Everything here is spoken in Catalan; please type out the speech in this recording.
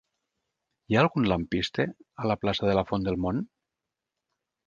Hi ha algun lampista a la plaça de la Font del Mont?